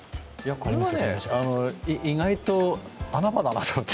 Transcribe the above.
これは意外と穴場だなと思って。